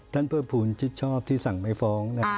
เพิ่มภูมิชิดชอบที่สั่งไม่ฟ้อง